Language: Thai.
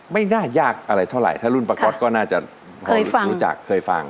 ไม่น่ายากอะไรเท่าไหร่ถ้ารุ่นป้าก๊อตก็น่าจะเคยรู้จักเคยฟัง